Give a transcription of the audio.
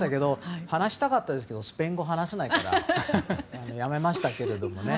話したかったですけどスペイン語、話せないからやめましたけどね。